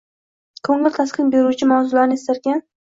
Ko‘ngil taskin beruvchi mavzularni istarkan.